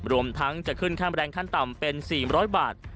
รวมทั้งจะขึ้นค่าแรงขั้นต่ำเป็น๔๐๐บาท